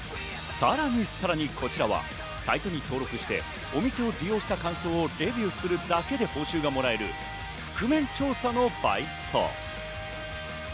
さらにこちらはサイトに登録してお店を利用した感想をレビューするだけで報酬がもらえる覆面調査のバイト。